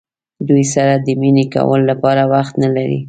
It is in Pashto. دوی سره د مینې کولو لپاره وخت نه لرئ.